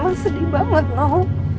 mama sedih banget noh